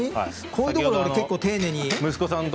こういうところ結構、丁寧に。